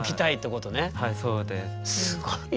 すごいよ。